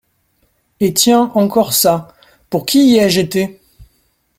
Et tiens, encore ça, pour qui y ai-je été ?